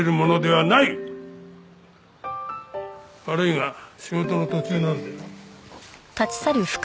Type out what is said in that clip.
悪いが仕事の途中なんで。